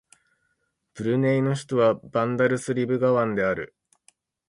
ブルネイの首都はバンダルスリブガワンである